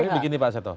tapi begini pak seto